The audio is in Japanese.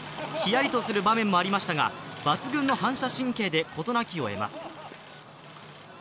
ひやりとする場面もありましたが抜群の反射神経で事なきを得ます。